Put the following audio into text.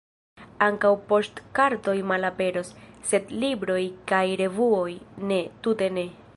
Ankaŭ poŝtkartoj malaperos, sed libroj kaj revuoj, ne, tute ne!